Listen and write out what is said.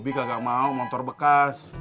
bobby kagak mau motor bekas